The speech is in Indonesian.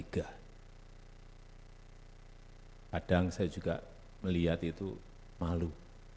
kadang saya juga melihat itu malu